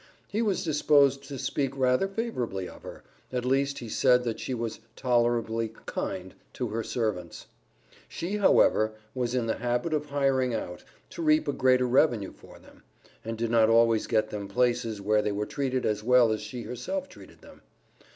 He was disposed to speak rather favorably of her, at least he said that she was "tolerably kind" to her servants. She, however, was in the habit of hiring out, to reap a greater revenue for them, and did not always get them places where they were treated as well as she herself treated them.